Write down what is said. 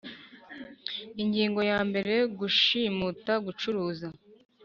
Ingingo ya mbere Gushimuta gucuruza